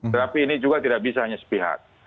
tetapi ini juga tidak bisa hanya sepihak